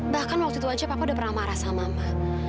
bahkan waktu itu aja aku udah pernah marah sama mbak